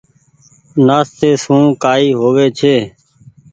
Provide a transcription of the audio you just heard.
نآستي سون ڪآئي هووي ڇي۔